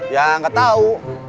ya nggak tahu